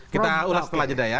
kita ulas setelah jeda ya